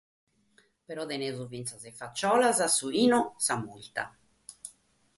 Però tenimus fintzas is màscaras, su binu, sa murta.